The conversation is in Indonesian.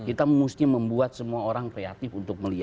kita mesti membuat semua orang kreatif untuk melihat